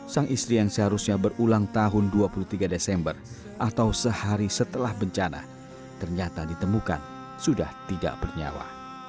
sang istri yang seharusnya berulang tahun dua puluh tiga desember atau sehari setelah bencana ternyata ditemukan sudah tidak bernyawa